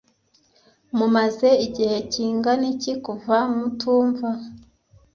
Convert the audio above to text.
Mumaze igihe kingana iki kuva mutumva?